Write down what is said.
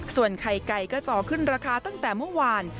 ส่วนไข่ไก่ก็จ่อขึ้นราคาตั้งแต่เมื่อวาน